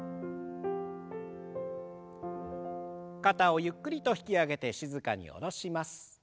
肩をゆっくりと引き上げて静かに下ろします。